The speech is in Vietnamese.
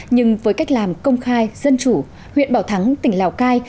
nhưng với cách làm công khai dân chủ huyện bảo thắng tỉnh lào cai